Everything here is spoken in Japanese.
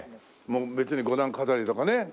別に五段飾りとかね。